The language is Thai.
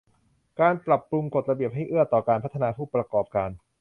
การปรับปรุงกฎระเบียบให้เอื้อต่อการพัฒนาผู้ประกอบการ